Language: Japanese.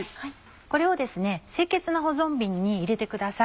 これを清潔な保存瓶に入れてください。